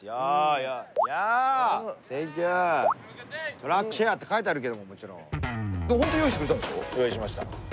トラックシェアって書いてあるけどももちろん。用意しました。